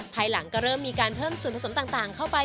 ภายหลังก็เริ่มมีการเพิ่มส่วนผสมต่างเข้าไป